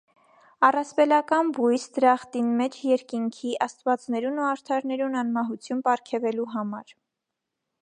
Առասպելական բոյս՝ դրախտին մէջ (երկինքի) աստուածներուն ու արդարներուն անմահութիւն պարգեւելու համար։